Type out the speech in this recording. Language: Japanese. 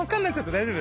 大丈夫？